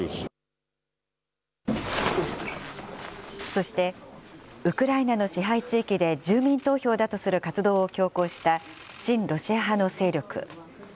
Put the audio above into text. そして、ウクライナの支配地域で、住民投票だとする活動を強行した、親ロシア派の勢力。